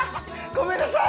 ごめんなさい